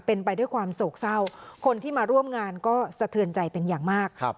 เป็นไปด้วยความโศกเศร้าคนที่มาร่วมงานก็สะเทือนใจเป็นอย่างมาก